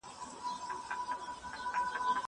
زه د کتابتون د کار مرسته نه کوم!